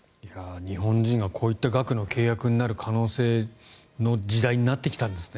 日本人がこういった額の契約になる可能性の時代になってきたんですね。